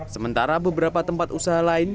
sementara beberapa tempat usaha lain